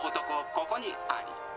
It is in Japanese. ここにあり！」